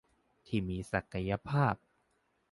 ที่มีศักยภาพ